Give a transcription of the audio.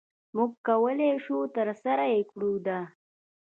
مونږ کولی شو ترسره يي کړو د